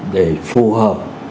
để phù hợp